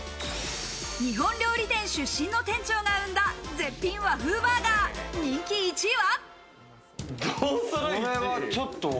日本料理店出身の店長が選んだ絶品和風バーガー人気１位は？